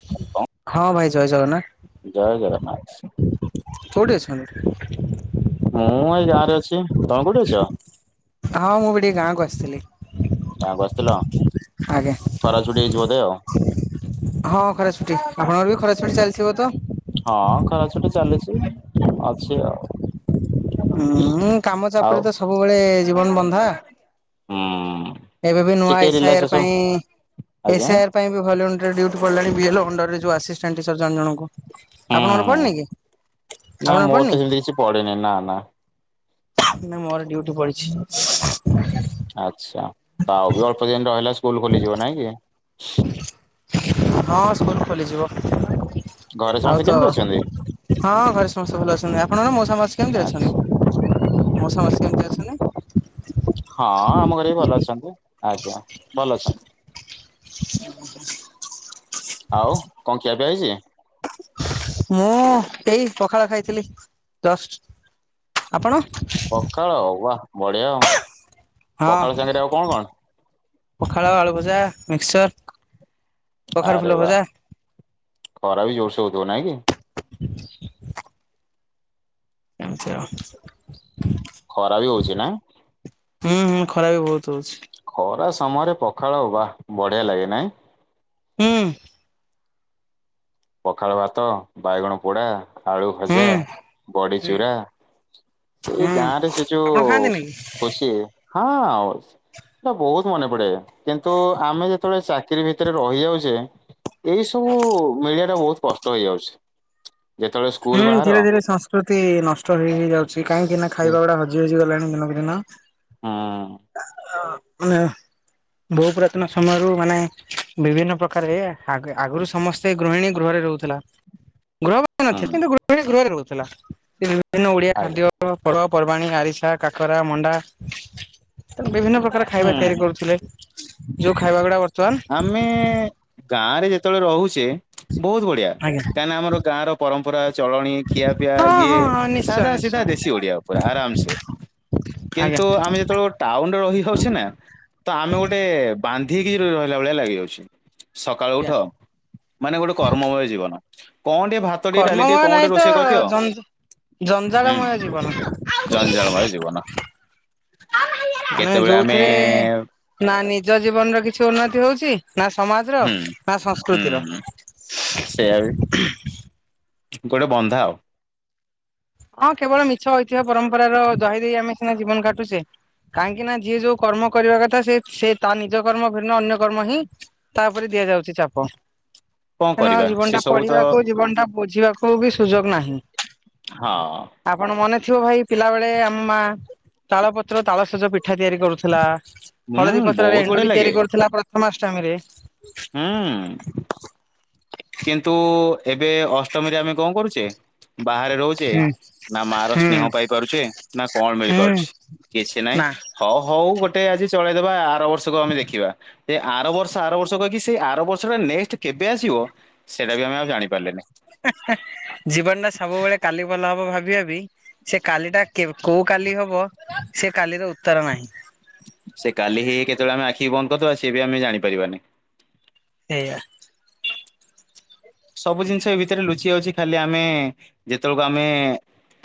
[inaudible] ହଁ ଭାଇ ଜୟ ଜଗନ୍ନାଥ। ଜୟ ଜଗନ୍ନାଥ। କୋଉଠି ଅଛନ୍ତି? ମୁଁ ଏଇ ଗାଁରେ ଅଛି ତମେ କୋଉଠି ଅଛ? ହଁ ମୁଁ ବି ଟିକେ ଗାଁକୁ ଆସଥିଲି। ଗାଁକୁ ଆସଥିଲ ଆଜ୍ଞା ଖରା ଛୁଟି ହେଇଚି ବୋଧେ ଆଉ। ହଁ ଖରା ଛୁଟି ଆପଣଙ୍କର ବି ଖରା ଛୁଟି ଚାଲଥିବ ତ? ହଁ ଖରା ଛୁଟି ଚାଲିଚି ଅଛି ଆଉ। ହୁଁଉଁ କାମ ଆଉ ଚାପରେ ତ ସବୁବେଳେ ଜୀବନ ବନ୍ଧା। ହୁଁ ଏବେ ବି ନୂଆ ଟିକେ ଏସ୍ ଆଇ ଆର ରିଲାକ୍ସେସନ ପାଇଁ ଆଜ୍ଞା ଏସ୍ ଆଇ ଆର ପାଇଁ ବି ଭଲ୍ୟୁଣ୍ଟାରି ଡିଉଟି ପଡିଲାଣି ବି ଏଲ୍ ଓ ଅଣ୍ଡରରେ ଯୋଉ ଆଷିଷ୍ଟାଣ୍ଟ ଟିଚର ଜଣ ଜଣଙ୍କୁ। ଆପଣଙ୍କର ହୁଁ ପଡିନି କି? ନା ଆପଣଙ୍କର ମୋର ପଡିନି? ତ ସେମତି କିଛି ପଡିନି ନା ନା। ନାଁ ମୋର ଡିଉଟି ପଡିଛି। ଆଚ୍ଛା ତ ଆଉ ବି ଅଳ୍ପ ଦିନ ରହିଲା ସ୍କୁଲ ଖୋଲିଯିବ ନାଇଁ କି? ହଁ ସ୍କୁଲ ଖୋଲିଯିବ। ଘରେ ଆଉ ସମସ୍ତେ ତ କେମତି ଅଛନ୍ତି? ହଁ ଘରେ ସମସ୍ତେ ଭଲ ଅଛନ୍ତି ଆପଣଙ୍କ ମଉସା ମାଉସୀ କେମିତି ଆଚ୍ଛା ଅଛନ୍ତି? ମଉସା ମାଉସୀ କେମିତି ଅଛନ୍ତି? ହଁ ଆମ ଘରେ ବି ଭଲ ଅଛନ୍ତି ଆଜ୍ଞା ଭଲ ଅଛନ୍ତି। [inaudible] ଆଉ କଣ ଖିଆପିଆ ହେଇଚି? ମୁଁ ଏଇ ପଖାଳ ଖାଇଥିଲି ଜଷ୍ଟ୍। ଆପଣ? ପକାଳ ୱା ବଢିଆ ଆ। ହଁ ପଖାଳ, ଆଳୁଭଜା, ମିକ୍ସଚର୍। ଆରେ ବା ଖରା ବି ଜୋରସେ ହୋଉଥୁବ ନାଇଁ କି? ଏମିତି ଆଉ। ଖରା ବି ହୋଉଚି ନା? ହୁଁ ହୁଁ ଖରା ବି ବୋହୁତ ହୋଉଛି। ଖରା ସମୟରେ ପଖାଳ ବା ବଢିଆ ଲାଗେ ନାଇଁ? ହୁଁ। ପଖାଳ ଭାତ, ବାଇଗଣ ପୋଡା, ଆଳୁ ଭଜା, ହୁଁ ବଡି ଚୁରା ଏଇ ହୁଁ ଗାଁରେ ସେ ଆପଣ ଯୋଉ ଖାଆନ୍ତିନି କି? ଖୁସି ହଁ ଆଉ ସ୍ ହେଟା ବୋହୁତ ମନେ ପଡେ କିନ୍ତୁ ଆମେ ଯେତେବେଳେ ଚାକିରୀ ଭିତରେ ରହିଯାଉଚେ ଏଇ ସବୁ ମିଳିବାଟା ବୋହୁତ କଷ୍ଟ ହେଇଯାଉଛି। ଯେତେବେଳେ ସ୍କୁଲ ହୁଁ ବାହାର ଧୀରେ ଧୀରେ ସଂସ୍ କୃତି ନଷ୍ଟ ହେଇ ହେଇ ଯାଉଛି କାହିଁକିନା ସେ ଖାଇବା ଗୁଡା ହଜି ହଜି ଗଲାଣି ଦିନକୁ ଦିନ। ହଁ। ହଁ। ବୋହୁ ପୁରାତନ ସମୟରୁ ମାନେ ବିଭିନ୍ନ ପ୍ରକାର ଏଇଆ ଆଗେ ଆଗରୁ ସମସ୍ ସେ ଗୃହିଣୀ ଗୃହରେ ରହୁଥେଲା। ଗୃହ [unintelligible] ହୁଁ କିନ୍ତୁ ଗୃହିଣୀ ଗୃହରେ ରହୁଥେଲା ସିଏ ବିଭିନ୍ନ ଓଡିଆ ଆଜ୍ଞା ଖାଦ୍ୟ ତମ ପର୍ବପର୍ବାଣୀ ଆରିସା କାକରା ମଣ୍ଡା ତେଣୁ ବିଭିନ୍ନ ପ୍ରକାର ଖାଇବା ହୁଁ। ତିଆରି କରୁଥିଲେ ଯୋଉ ଖାଇବାଗୁଡା ବର୍ତ୍ତମାନ ମେ ଗାଁରେ ଯେତେବେଳେ ରହୁଚେ ବୋହୁତ ବଢିଆ। ଆଜ୍ଞା କାହିଁକିନା ଆମର ଗାଁର ପରମ୍ପରା ଚଳଣି ଖିଆପିଆ ହଁ ଇଏ ହଁ ହଁ ନିଶ୍ଚୟ ସାଧା ସିଧା ନିଶ୍ଚୟ ଦେଶୀ ଓଡିଆ ଉପରେ ଆରାମ ସେ କିନ୍ତୁ ଆଜ୍ଞା। ଆମେ ଯେତେବେଳୁ ଟାଉନରେ ରହିଯାଉଛି ନା ତ ଆମେ ଗୋଟେ ବାନ୍ଧି ହେଇକି ରହିଲା ଭଳିଆ ଲାଗିଯାଉଛି। ସକାଳୁ ଉଠ ମାନେ ଗୋଟେ କର୍ମମୟ ଜୀବନ କଣ ଟିକେ ଭା କର୍ମମୟ ନାହିଁ ତ ଜଞ୍ଜ୍ ଜଞ୍ଜାଳମୟ ହୁଁ ଜୀବନ। ଜଞ୍ଜାଳମୟ ଜୀବନ। ନେ କେତେବେଳେ ଆମେ ଯୋଉଥେରେ ନା ନିଜ ଜୀବନର କିଛି ଉନ୍ନତି ହଉଛି ନା ସମା ହୁଁ ହୁଁ ସେୟା ବି। ଗୋଟେ ବନ୍ଧା ଆଉ। ହଁ କେବଳ ମିଛ ଐତିହ୍ୟ ପରମ୍ପରାର ଦ୍ୱାହି ଦେଇ ଆମେ ସିନା ଜୀବନ କାଟୁଛେ କାହିଁକି ନା ଯିଏ ଯୋଉ କର୍ମ କରିବା କଥା ସେ ସେ ତା ନିଜ କର୍ମ ଭିର୍ନ ଅନ୍ୟ କର୍ମ ହିଁ ତା ଓପରେ ଦିଆଯାଉଛି ଚାପ। କଣ ତେଣୁ କରିବା ଆଉ ସେ ଜୀବନଟା ସବୁ ତ ପଢିବାକୁ ଜୀବନଟା ବୁଝିବାକୁ ବି ସୁଯୋଗ ନାହିଁ। ହଁ। ଆପଣ ମନେ ଥିବ ଭାଇ ପିଲାବେଳେ ଆମ ମା ତାଳ ପତ୍ର ତାଳସଜ ପି ଠା ତିଆରି କରୁଥେଲା ହଳଦୀ ହୁଁ ପତ୍ରରେ ବହୁତ ବଢିଆ ଏଣ୍ଡୁରି ଲାଗେ ତିଆରି କରୁଥେଲା ପ୍ରଥମା ଅଷ୍ଟମୀରେ। ହୁଁ। କିନ୍ତୁ ଏବେ ଅଷ୍ଟମୀରେ ଆମେ କଁ କରୁଚେ ବାହାରେ ରହୁ ଚେ ହୁଁ ନା ମାର ସ୍ନେହ ପାଇ ପାରୁଚେ ନା କଣ ମିଳି ହୁଁ ପାରୁଛି କିଛି ନାଇଁ। ନା ହଉ ହଉ ଗୋଟେ ଆଜି ଚଳେଇ ଦବା ଆର ବର୍ଷୁକୁ ଆମେ ଦେଖିବା। ଏ ଆର ବର୍ଷ ଆର ବର୍ଷ କହିକି ସେଇ ଆର ବର୍ଷଟା ନେକ୍ସଟ କେବେ ଆସିବ ସେଇଟା ବି ଆମେ ଆଉ ଜାଣିପାରଲେନି। ହେଁ ହେଁ ଜୀବନଟା ସବୁବେଳେ କାଲି ଭଲ ହବ ଭାବି ଭାବି ସେ କାଲିଟା କେବ୍ କୋଉ କାଲି ହବ ସେ କାଲିର ଉତ୍ତର ନାହିଁ। ସେ କାଲି ହେଇ ହେଇ କେତେବେଳେ ଆମେ ଆଖି ବନ୍ଦ କରିଦବା ସିଏ ବି ଆମେ ଜାଣିପାରିବାନି। ହେଇଆ। ସବୁ ଜିନିଷ ଏ ଭିତେରେ ଲୁଚି ଯାଉଚି ଖାଲି ଆମେ ଯେତେବେଳୁକୁ ଆମେ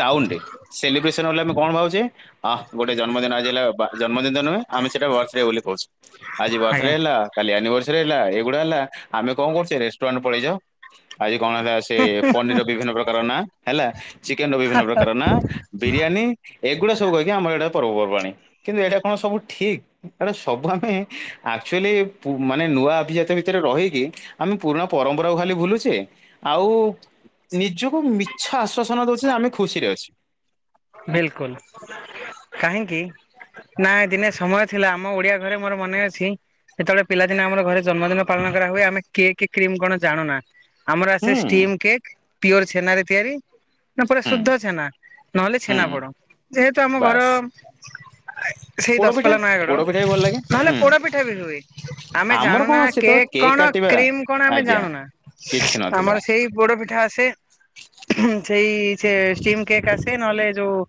ଟାଉନରେ ସେଲିବ୍ରେସନ୍ ଭାବିଲେ ଆମେ କଣ ଭାବୁଚେ? ଆଃ ଗୋଟେ ଜନ୍ମଦିନ ଆଜି ହେଲା ବା ଜନ୍ମଦିନ ତ ନୁହେଁ ଆମେ ସେଟା ବର୍ଥ ଡେ ବୋଲି କହୁଚୁ ଆଜି ବର୍ଥ ଡେ ଆଜ୍ଞା ହେଲା କାଲି ଆନିଭର୍ସରୀ ହେଲା ଏଇଗୁଡା ହେଲା ଆମେ କଁ କରୁଚେ ରେଷ୍ଟୁରାଣ୍ଟ ପଳେଇ ଯାଉ ଆଜି କଣ ହେଲା ସେ ପନିରର ବିଭିନ୍ନ ପ୍ରକାର ନାଁ ହେଲା ଚିକେନ ର ବିଭିନ୍ନ ପ୍ରକାର ନାଁ ବିରିୟାନୀ ଏଗୁଡା ସବୁ କହିକି ଆମର ଏଇଟା ପର୍ବପର୍ବାଣି କିନ୍ତୁ ଏଇଟା କଣ ସବୁ ଠିକ୍। ଏଗୁଡା ସବୁ ଆମେ ଆକ୍ଚୁଏଲି ପୁ ମାନେ ନୂଆ ଅଭିଜାତ୍ୟ ଭିତେରେ ରହିକି ଆମେ ପୁରୁଣା ପରମ୍ପରାକୁ ଖାଲି ଭୁଲୁଚେ ଆଉ ନିଜକୁ ମିଛ ଆଶ୍ଵାସନା ଦଉଚେ ଯେ ଆମେ ଖୁସିରେ ଅଛେ। ବିଲକୁଲ୍ କାହିଁକି ନା ଏ ଦିନେ ସମୟ ଥିଲା ଆମ ଓଡିଆ ଘରେ ମୋର ମନେ ଅଛି ସେତବେଳେ ପିଲାଦିନେ ଆମର ଘରେ ଜନ୍ମଦିନ ପାଳନ କରାହୁଏ ଆମେ କେକ୍ କ୍ରିମ କଣ ଜାଣୁନା। ଆମର ହୁଁ ଆସେ ଷ୍ଟିମ୍ କେକ୍ ପିଓର ଛେନାରେ ତିଆରି ନା ପୁରା ହୁଁ ଶୁଦ୍ଧ ଛେନା। ନହଲେ ହୁଁ ଛେନା ପୋଡ ଯେହେତୁ ଆମ ଘର ବାସ୍ ସେଇ ପୋଡପିଠା ଦଶପଲା ନୟାଗଡ, ପୋଡପିଠା ବି ଭଲ ଲାଗେ ନହଲେ ହୁଁ ପୋଡ ପିଠା ବି ହୁଏ, ଆମେ ଆମର ଜାଣୁନା କଣ ସେତେବେଳେ କେକ୍ କଣ କାଟିବା କ୍ରିମ କଣ ଆମେ ଆଜ୍ଞା ଜାଣୁନା? କିଛି ନଥିଲା ଆମର ସେଇ ପୋଡ ପିଠା ଆସେ। ସେଇ ସେ ଷ୍ଟିମ କେକ୍ ଆ ସେ ନହଲେ ଯୋଉ,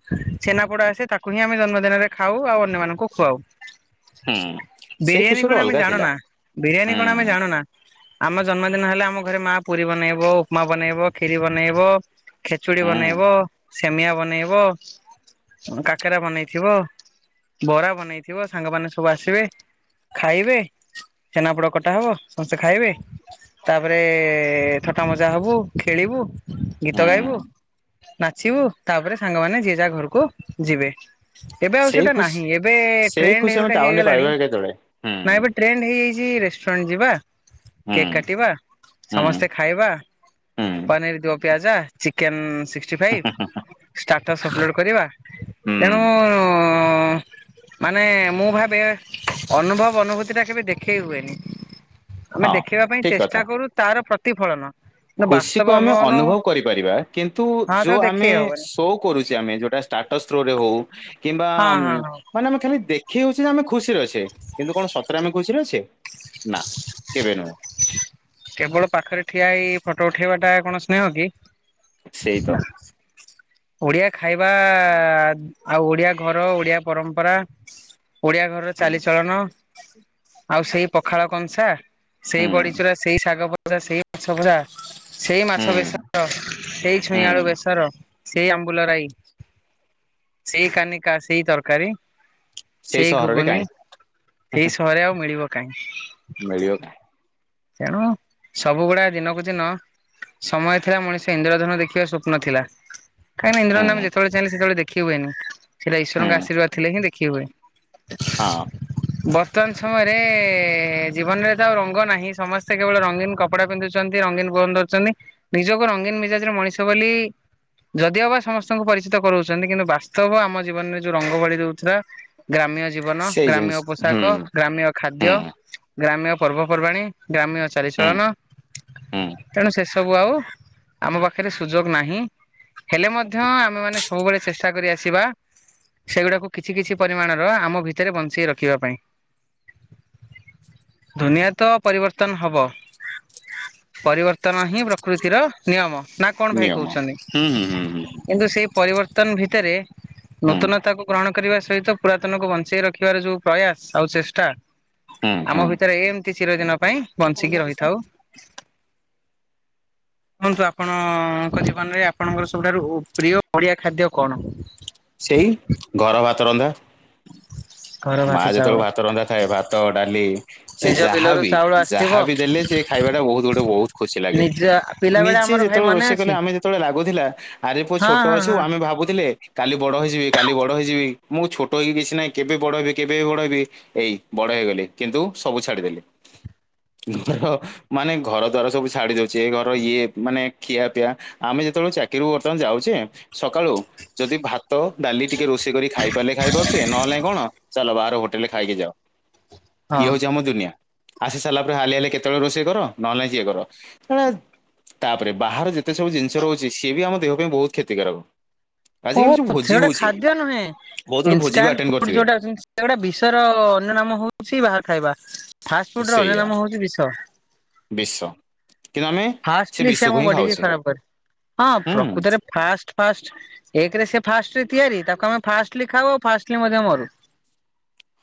ଛେନାପୋଡ ଆସେ, ତାକୁ ହିଁ ଆମେ ଜନ୍ମଦିନରେ ଖାଉ, ଆଉ ଅନ୍ୟମାନଙ୍କୁ ଖୁଆଉ। ହୁଁ ସେଇ ଖୁସି ବିରିୟାନୀ ଗୋଟେ କଣ ଆମେ ଅଲଗା ଥିଲା ଜାଣୁନା, ବିରିୟାନୀ କଣ ଆମେ ହୁଁ, ଜାଣୁନା। ଆମ ଜନ୍ମଦିନ ହେଲେ ଆମ ଘରେ ମା, ପୁରୀ ବନେଇବ, ଉପମା ବନେଇବ, କ୍ଷୀରି ବନେଇବ। ଖେଚୁଡି ହୁଁ, ବନେଇବ, ସେମିଆ ବନେଇବ, କାକେରା ବନେଇଥିବ। ବରା ବନେଇଥିବ, ସାଙ୍ଗମାନେ ସବୁ ଆସିବେ, ଖାଇବେ। ଛେନାପୋଡ କଟା ହବ, ସମସ୍ତେ ଖାଇବେ। ତାପରେ ଥଟ୍ଟା ମଜା ହବୁ, ଖେଳିବୁ, ଗୀତ ଗାଇବୁ। ହୁଁ ନାଚିବୁ, ତାପରେ ସାଙ୍ଗମାନେ ଯିଏ ଯାହା ଘରୁକୁ ଯିବେ। ଏବେ ଆଉ ସେଇ ସେଟା ଖୁସି ନାହିଁ, ଏବେ ସେଇ ଟ୍ରେଣ୍ଡ ଖୁସି ଆମେ ଗୋଟେ ଟାଉନରେ ହେଇଗଲାଣି, ପାଇବା କେତେବେଳେ? ନାଁ ହୁଁ, ଏବେ ଟ୍ରେଣ୍ଡ ହେଇଯାଇଚି, ରେଷ୍ଟୁରାଣ୍ଟ ଯିବା, କେକ୍ ହୁଁ, କାଟିବା, ହୁଁ, ସମସ୍ତେ ଖାଇବା, ହୁଁ, ପନିର୍ ଦୋ ପିଆଜା, ଚିକେନ୍ ସିକ୍ସଟିଫାଇଭ୍ ହାଁ ହାଁ। ଷ୍ଟାଟସ୍ ଅପଲୋଡ କରିବା, ତେଣୁ ହୁଁ ଉ ମାନେ ମୁଁ ଭାବେ, ଅନୁଭବ ଅନୁଭୂତିଟା କେବେ ଦେଖେଇ ହୁଏନି। ଆମେ ହଁ ଦେଖେଇବା ପାଇଁ ଚେଷ୍ଟା କରୁ, ତାର ପ୍ରତିଫଳନ। କିନ୍ତୁ ଖୁସି ବାସ୍ତବ କୁ ଅନୁ ଆମେ ଅନୁ ଅନୁଭବ କରିପାରିବା କିନ୍ତୁ ହଁ ଯୋଉ ତାକୁ ଆମେ ଦେଖେଇ ହବନି ସୋ କରୁଚେ ଆମେ, ଯୋଉଟା ଷ୍ଟାଟସ ଥ୍ରୋରେ ହଉ, କିମ୍ବା ହଁ ଆମ ହଁ ହଁ ମାନେ ଆମେ ଖାଲି ଦେ ଖେଇ ହଉଚେ ଯେ ଆମେ ଖୁସିରେ ଅଛେ କିନ୍ତୁ କଣ ସତରେ ଆମେ ଖୁସିରେ ଅଛେ? ନା କେବେ ନୁହେଁ। କେବଳ ପାଖରେ ଠିଆ ହେଇ, ଫଟୋ ଉଠେଇବା ଟା, କଣ ସ୍ନେହ କି? ସେଇ ତ ନାଁ। ଓଡିଆ ଖାଇବା ଆଉ ଓଡିଆ ଘର, ଓଡିଆ ପରମ୍ପରା ଓଡିଆ ଘରର ଚାଲିଚଳନ ଆଉ ସେଇ ପଖାଳ କଂସା ସେଇ ହୁଁ, ବଡିଚୁରା, ସେଇ ଶାଗଭଜା, ସେଇ ମାଛଭଜା ସେଇ ମାଛ ହୁଁ, ବେସର, ସେଇ ଛୁଇଁ ଆଳୁ ହୁଁ ବେସର ସେଇ ଆମ୍ବୁଲରାଇ, ସେଇ କାନିକା, ସେଇ ତରକାରୀ ସେଇ ସହରରେ ଘୁଗୁନି, କାହିଁ ସେଇ ସହରେ ଆଉ ମିଳିବ କାଇଁ? ମିଳିବ କା ତେଣୁ ସବୁଗୁଡା ଦିନକୁ ଦିନ ସମୟ ଥିଲା ମଣିଷ ଇନ୍ଦ୍ରଧନୁ ଦେଖିବା ସ୍ୱପ୍ନ ଥିଲା। କାହିଁନା, ଇନ୍ଦ୍ରଧନୁ ଆମେ ହୁଁ, ଯେତବଳେ ଚାହିଁଲେ ସେତବଳେ ଦେଖି ହୁଏନି। ସେଇଟା ଈଶ୍ୱରଙ୍କ ହୁଁ ଆଶୀର୍ବାଦ ଥିଲେ ହିଁ ଦେଖି ହୁଏ। ହଁ। ବର୍ତ୍ତମାନ ସମୟରେ, ଜୀବନରେ ତ ଆଉ ରଙ୍ଗ ନାହିଁ। ସମସ୍ତେ କେବଳ ରଙ୍ଗୀନ କପଡା ପିନ୍ଧୁଚନ୍ତି, ରଙ୍ଗୀନ ଫୋନ ଧରୁଚନ୍ତି। ନିଜକୁ ରଙ୍ଗୀନ ମିଜାଜର ମଣିଷ ବୋଲି ଇ ଯଦିଓ ବା ସମସ୍ତଙ୍କୁ ପରିଚିତ କରଉଚନ୍ତି କିନ୍ତୁ ବାସ୍ତବ ଆମ ଜୀବନରେ ଯୋଉ ରଙ୍ଗ ବୋଳି ଦଉଥିଲା ଗ୍ରାମ୍ୟ ଜୀବନ, ସେଇ ଜିନିଷ ଗ୍ରାମ୍ୟ ହୁଁ ପୋଷାକ, ଗ୍ରାମ୍ୟ ଖାଦ୍ୟ, ହୁଁ ଗ୍ରାମ୍ୟ ପର୍ବପର୍ବାଣୀ ଗ୍ରାମୀଣ ହୁଁ ଚାଲିଚଳନ, ହୁଁ ତେଣୁ ସେସ ସବୁ ଆଉ, ଆମ ପାଖରେ ସୁଯୋଗ ନାହିଁ, ହେଲେ ମଧ୍ୟ ଆମେ ମାନେ ସ ସବୁବେଳେ ଚେଷ୍ଟା କରି ଆସିବା ସେଗୁଡାକୁ କିଛି କିଛି ପରିମାଣ ର, ଆମ ଭିତରେ ବଞ୍ଚେଇ ରଖିବା ପାଇଁ। ଦୁନିଆଁ ତ ପରିବର୍ତ୍ତନ ହବ, ପରିବର୍ତ୍ତନ ହିଁ ପ୍ରକୃତିର ନିୟମ ନା କଣ ଭାଇ ନିୟମ କହୁଛନ୍ତି ହୁଁ ହୁଁ ହୁଁ ହୁଁ କିନ୍ତୁ ସେଇ ପରିବର୍ତ୍ତନ ଭିତରେ ହୁଁ ନୂତନତାକୁ ଗ୍ରହଣ କରିବା ସହିତ ପୁରାତନକୁ ବଞ୍ଚେଇ ରଖିବାର ଯୋଉ ପ୍ରୟାସ ଆଉ ଚେଷ୍ଟା ହୁଁ ଆମ ହୁଁ ଭିତରେ ଏମିତି ଚିରଦିନ ପାଇଁ ବଞ୍ଚିକି ରହିଥାଉ। [inaudible] କୁହନ୍ତୁ ଆପଣଙ୍କ ଜୀବନରେ ଆପଣଙ୍କର ସବୁଠାରୁ ଓ ପ୍ରିୟ ଓଡିଆ ଖାଦ୍ୟ କଣ? ସେଇ ଘର ଭାତ ରନ୍ଧା। ଘର ମା ଭାତ ଚାଉଳ ଯେତେବେଳେ ଭାତ ରନ୍ଧା ଥାଏ ଭାତ ଡାଲି ସେ ନିଜ ଯାହା ବିଲରୁ ବିି ଚାଉଳ ଆସିଥିବ ଯାହାବି ଦେଲେ ସେ ଖାଇବାଟା ବହୁତ ଗୋଟେ ବହୁତ ଖୁସି ଲାଗେ ନିଜ ପିଲା ବେଳେ ନିଜେ ଆମର ଭାଇ ଯେତେବେଳେ ମନେ ରୋଷେଇ କଲେ ଅଛି ଆମେ ଯେତେବେଳେ ଲାଗୁଥିଲା ଆରେ ପୁଅ ହଁ ଛୋଟ ଅଛୁ ହଁ ହଁ ଆମେ ଭାବୁଥିଲେ କାଲି ବଡ଼ ହୋଇଯିବି କାଲି ବଡ଼ ହୋଇଯିବି ମୁଁ ଛୋଟ ହେକି କିଛି ନାହିଁ କେବେ ବଡ ହେବି କେବେ ବି ବଡ ହେବି ଏଇ ବଡ ହେଇଗଲି କିନ୍ତୁ ସବୁ ଛାଡିଦେଲି। ଘର ମାନେ ଘର ଦ୍ଵାରା ସବୁ ଛାଡି ଦଉଛି ଘର ଇଏ ମାନେ ଖିଆ ପିଆ ଆମେ ଯେତେବେଳେ ଚାକିରିରୁ ବର୍ତ୍ତମାନ ଯାଉଚେ ସକାଳୁ ଯଦି ଭାତ ଡାଲି ଟିକେ ରୋଷେଇ କରି ଖାଇ ପାରିଲେ ଖାଇ ପାରୁଛେ ନହେଲେ ନାଇଁ କଣ ଚାଲ ବାହାର ହୋଟେଲରେ ଖାଇକି ଯାଅ ଇଏ ହଁ। ହଉଛି ଆମ ଦୁନିଆ। ଆସି ସାରିଲା ପରେ ହାଲିଆ ହେଲେ କେତେବେଳେ ରୋଷେଇ କର ନହେଲେ ସିଏ କର ଶଳା ତାପରେ ବାହାର ଯେତେ ସବୁ ଜିନିଷ ରହୁଛି ସିଏ ବି ଆମ ଦେହ ପାଇଁ ବହୁତ କ୍ଷତିକାରକ। ହୋ ହୋ ଆଜିକାଲି ଯୋଉ ସେ ଭୋଜି ଗୋଟେ ହଉଚି ଖାଦ୍ୟ ନୁହେଁ ବହୁତ ଗୁଡେ ଭୋଜି ବି ଇନାଣ୍ଟ ଆଟେଣ୍ଡ ଫୁଡ କରିଥିବେ ଯୋଉଟା ଅଛନ୍ତି ଏଗୁଟା ବିଶର ଅନ୍ୟ ନାମ ହଉଛି ବାହାର ଖାଇବା ଫାଷ୍ଟ ଫୁଡ ର ଅନ୍ୟ ନାମ ହଉଛି ବିଷ। ବିଶ କିନ୍ତୁଆମେ ଫାଷ୍ଟଲି ସେ ଆମ ବଡି କି ଖରାପ କରେ ହଁ ହୁଁ ପ୍ରକୃତରେ ଫାଷ୍ଟ ଫାଷ୍ଟ ଏକରେ ସେ ଫାଷ୍ଟରେ ତିଆରି ତାକୁ ଆମେ ଫାଷ୍ଟଲି ଖାଉ ଆଉ ଫାଷ୍ଟଲି ମଧ୍ୟ ମରୁ। [inaudible]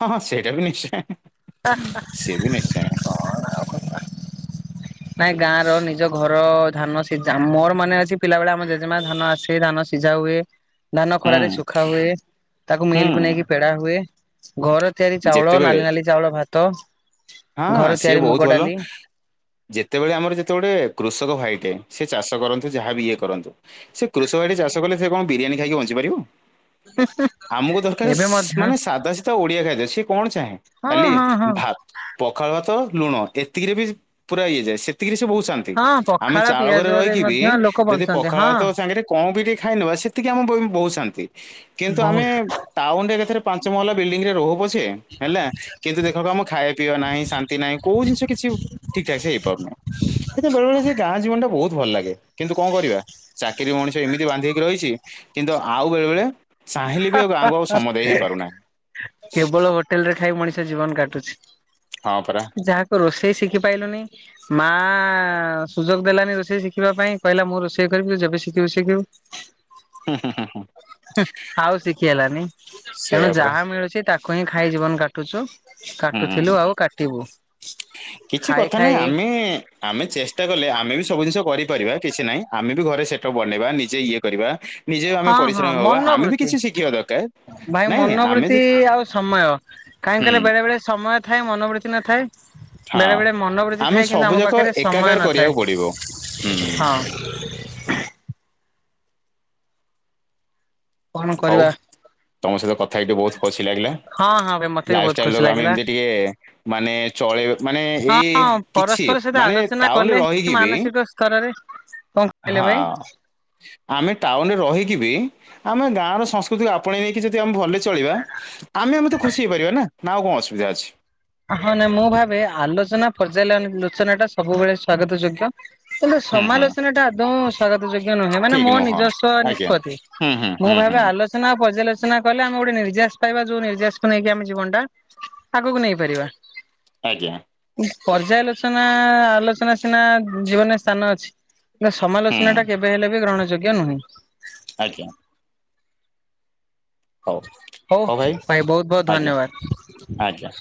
ହଁ ହଁଁ ସେଇଟା ବି ନିଶ୍ଚୟ ସିଏ ବି ନିଶ୍ଚୟ। ନାଇଁ ଗାଁ ନିଜ ଘର ଧାନ ସିଝା ମୋର ମନେ ଅଛି ପିଲାବେଳେ ଆମର ଜେଜେମା ଧାନ ଆସେ ଧାନ ସିଝା ହୁଏ। ଧାନ ଖରାରେ ହୁଁ। ଶୁଖା ହୁଏ। ତାକୁ ମିଲକୁ ହୁଁ ନେଇକି ପେଡା ହୁଏ, ଘର ତିଆରି ଚାଉଳ ଯେତେବେଳେ ନାଲି ନାଲି ଚାଉଳ ଭାତ। ହଁ ଘର ସିଏ ତିଆରି ମୁଗ ବହୁତ ଭଲ। ଡାଲି ଯେତେବେଳେ ଆମର ଯେତେବେଳେ କୃଷକ ଭାଇଟେ ସେ ଚାଷ କରନ୍ତୁ ଯାହାବି ଇଏ କରନ୍ତୁ ସେ କୃଷକ ଭାଇଟି ଚାଷ କଲେ ସେ କଣ ବିରିୟାନୀ ଖାଇକି ବଞ୍ଚିପାରିବ? ଆମକୁ ଦରକାର ଏବେ ଶ୍ ମଧ୍ୟ ମାନେ ସାଧା ସିଧା ଓଡିଆ ଖାଦ୍ୟ ସିଏ କଣ ଚାହେଁ? ହଁ କାଲି ହଁ ହଁ ଭାତ୍ ପଖାଳ ଭାତ ଲୁଣ ଏତିକିରେ ବି ପୁରା ଇଏ ଯାଏ ସେତିକିରେ ସେ ବହୁତ ଶାନ୍ତି। ହଁ ଆମେ ପଖାଳ ଚାଳ ଘରେ ପିଆଜରେ ରହିକ ବି ମଧ୍ୟ ଲୋକ ଯଦି ବଞ୍ଚନ୍ତି ପଖାଳ ହଁ ଭାତ ସାଙ୍ଗରେ କଁ ବି ଟିକେ ଖାଇ ନେବା ସେତିକି ଆମ ବହୁ ଶାନ୍ତି କିନ୍ତୁ ଆମେ ବହୁତ ଟାଉନ ରେ ଏକାଥରେ ପାଞ୍ଚ ମହଲା ବିଲଡିଂ ରେ ରହୁ ପଛେ ହେଲା କିନ୍ତୁ ଦେଖ ଆକୁଆମ ଖାଇବା ପିଅ ନାହିଁ ଶାନ୍ତି ନାହିଁ କୋଉ ଜିନିଷ କିଛି ଠିକ ଠାକ ସେ ହେଇପାରୁନୁ ଏତେ ବେଳେ ବେଳେ ସେ ଗାଁ ଜୀବନ ଟା ବହୁତ ଭଲ ଲାଗେ କିନ୍ତୁ କଁ କରିବା ଚାକିରି ମଣିଷ ଏମିତି ବାନ୍ଧି ହେଇକି ରହିଛି କିନ୍ତୁ ଆଉ ବେଳେ ବେଳେ ଚାହିଁଲେ ବି ଆଉ ଗାଁକୁ ଆଉ ସମ ଦେଇ ହେଇପାରୁନାହିଁ। କେବଳ ହୋଟେଲ ରେ ଖାଇ ମଣିଷ ଜୀବନ କାଟୁଚି। ହଁ ପରା। ଯାହାକୁ ରୋଷେଇ ଶିଖି ପାଇଲୁନି ମା ସୁଯୋଗ ଦେଲାନି ରୋଷେଇ ଶିଖିବା ପାଇଁ କହିଲା ମୁଁ ରୋଷେଇ କରିବି ଯେବେ ଶିଖିବୁ ଶିଖିବୁ [inaudible] ହୁଁ ହୁଁ ହୁଁ। ଆଉ ଶିଖି ହେଲାନି ତେଣୁ ସେଇଆ ପରା ଯାହା ମିଳୁଛି ତାକୁ ହିଁ ଖାଇ ଜୀବନ କାଟ। କାଟୁଛୁ ହୁଁ ହୁଁ, ହୁଁ। କାଟୁଥିଲୁ ଆଉ କାଟିବୁ କିଛି ଖାଇ କଥା ଖାଇ ନାହିଁ ଆମେ ଆମେ ଚେଷ୍ଟା କଲେ ଆମେ ବି ସବୁ ଜିନିଷ କରିପାରିବା କିଛି ନାହିଁ। ଆମେ ବି ଘରେ ସେଟପ ବନେଇବା ନିଜେ ଇଏ କରିବା। ନିଜେ ଆମେ ହଁ ହଁ ପରିଶ୍ରମୀ ହବା ଆମେ ବି ମନୋବୃତ୍ତି କିଛି ଶିଖିବା ଦରକାର ଭାଇ ନାଇଁ ଆମେ ମନୋବୃତ୍ତି ଯଦି ଆଉ ସମୟ କାହିଁ ହୁଁ କହିଲେ ବେଳେ ବଳେ ସମୟ ଥାଏ ମନୋବୃତ୍ତି ନ ଥାଏ। ବେଳେ ହଁ ବେଳେ ମନୋବୃତିି ଆମେ ଥାଏ କିନ୍ତୁ ସବୁ ଆମ ଯାକ ପାଖରେ ସମୟ ଏକାକାର ନଥାଏ କରିବାକୁ ପଡିବ ହୁଁ ହଁ। କଣ ହଉ କରିବା? ତମ ସହିତ କଥା ହେଇକି ବହୁତ ଖୁସି ଲାଗିଲା। ହଁ ହଁ ଭାଇ ମତେ ବି ବହୁତ ଖୁସି ଲାଇଫଷ୍ଟାଇଲଟାକୁ ଆମେ ଲାଗିଲା। ଏମତି ଟିକେ ମାନେ ଚଳେଇ ମାନେ ଏଇ ହଁ କିଛି ପରସ୍ପର ସହିତ ମାନେ ଆଲୋଚନା ଟାଉନରେ କଲେ ହିଁ ରହିକି ବି ମାନସିକ ସ୍ତରରେ କହିଲେ ଭାଇ? ହଁ। ଆମେ ଟାଉନରେ ରହିକି ବି ଆମେ ଗାଁର ସଂସ୍କୃତିକୁ ଆପଣେଇ ନେଇକି ଯଦି ଆମେ ଭଲରେ ଚଳିବା। ଆମେ ଆମେ ତ ଖୁସି ହେଇପାରିବା ନା ଆଉ କଣ ଅସୁବିଧା ଅଛି? ହଁ ନାଇଁ ମୁଁ ଭାବେ ଆଲୋଚନା ପର୍ଯ୍ୟାଲୋଚନା ଟା ସବୁବେଳେ ସ୍ଵାଗତ ଯୋଗ୍ୟ। କିନ୍ତୁ ହୁଁ ହୁଁ ସମାଲୋଚନାଟା ଆଦୌଙ୍ଗ ସ୍ୱାଗତ ଯୋଗ୍ୟ ନୁହେଁ ମାନେ ଠିକ ମୋ ନୁହଁ ନିଜସ୍ଵ ଆଜ୍ଞା ନିଷ୍ପତି ହୁଁ ହୁଁ ମୁଁ ହୁଁ ଭାବେ ହୁଁ ଆଲୋଚ ପର୍ଯ୍ୟାଲୋଚନା କଲେ ଆମେ ଗୋଟେ ନିର୍ଯ୍ୟାେଶ ପାଇବା ଯୋଉ ନିର୍ଯ୍ୟାେଶକୁ ନେଇକି ଆମ ଜୀବନା ଆଗକୁ ନେଇ ପାରିବା। ଆଜ୍ଞା। ପର୍ଯ୍ୟାଲୋଚନା ଆଲୋଚନା ସିନା ଜୀବନରେ ସ୍ଥାନ ଅଛି। ହୁଁ ସମାଲୋଚନାଟା କେବେ ହେଲେ ବି ଗ୍ରହଣ ଯୋଗ୍ୟ ନୁହେଁ। ଆଜ୍ଞା। ହଉ ହଉ ଭାଇ ବହୁତ ବହୁତ ଆଜ୍ଞା ଧନ୍ୟବାଦ। ଆଜ୍ଞା।